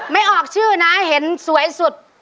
ไม่ออกชื่อนะเห็นสวยสุด